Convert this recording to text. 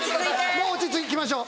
もう落ち着きましょう。